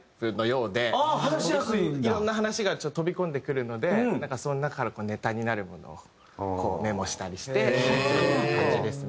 いろんな話が飛び込んでくるのでその中からネタになるものをメモしたりしてっていう感じですね。